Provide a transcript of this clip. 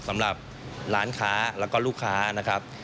สำหรับร้านค้าแล้วก็ลูกค้านะครับ